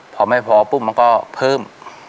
พอไม่พอปุ๊บมันก็เพิ่ม